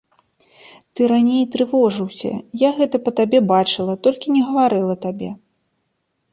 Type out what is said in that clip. Ты раней трывожыўся, я гэта па табе бачыла, толькі не гаварыла табе.